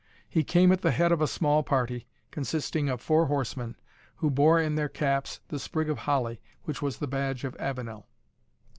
He came at the head of a small party, consisting of four horsemen, who bore in their caps the sprig of holly, which was the badge of Avenel.